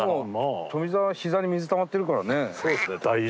富澤は膝に水たまってるからね。